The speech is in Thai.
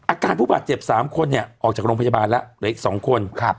อาการผู้บาดเจ็บสามคนเนี้ยออกจากโรงพยาบาลแล้วเหลืออีกสองคนครับ